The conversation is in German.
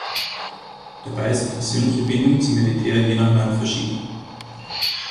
Dabei ist die persönliche Bindung zum Militär je nach Land verschieden.